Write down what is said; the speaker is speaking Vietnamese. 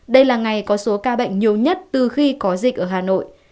đây là ngày có số ca bệnh nhiều nhất từ khi có dịch ở hà nội